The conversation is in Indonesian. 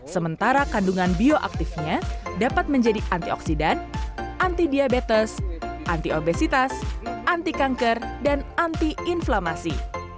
sementara kandungan bioaktifnya dapat menjadi antioksidan anti diabetes anti obesitas anti kanker dan anti inflamasi